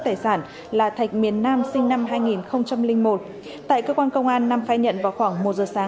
tài sản là thạch miền nam sinh năm hai nghìn một tại cơ quan công an nam khai nhận vào khoảng một giờ sáng